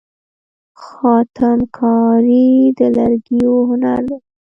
خاتم کاري د لرګیو هنر دی.